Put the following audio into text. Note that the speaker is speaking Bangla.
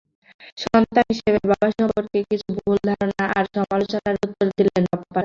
সন্তান হিসেবে বাবা সম্পর্কে কিছু ভুল ধারণা আর সমালোচনার উত্তর দিলেন বাপ্পারাজ।